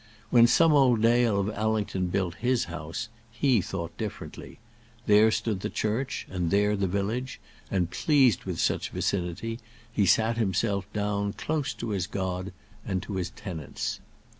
When some old Dale of Allington built his house, he thought differently. There stood the church and there the village, and, pleased with such vicinity, he sat himself down close to his God and to his tenants.